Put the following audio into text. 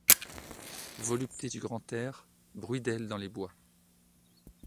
Voluptés du grand air, bruit d'ailes dans les bois